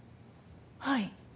はい。